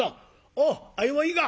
「おう相棒いいか？」。